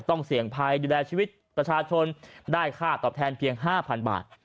ต้องเสี่ยงภัยดูแลชีวิตประชาชนได้ค่าตอบแทนเพียง๕๐๐๐บาท